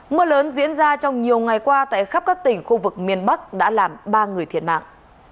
mưa lớn diễn ra trong nhiều ngày qua tại khắp các tỉnh khu vực miền bắc đã làm ba người thiệt mạng